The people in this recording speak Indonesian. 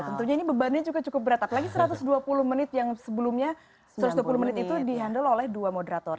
tentunya ini bebannya juga cukup berat apalagi satu ratus dua puluh menit yang sebelumnya satu ratus dua puluh menit itu di handle oleh dua moderator